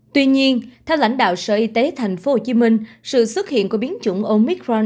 tuy nhiên theo lãnh đạo sở y tế tp hcm sự xuất hiện của biến chủng omicron